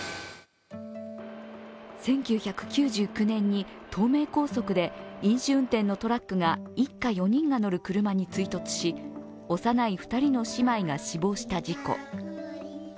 １９９９年に東名高速で飲酒運転のトラックが一家４人が乗る車に追突し、幼い２人の姉妹が死亡した事故。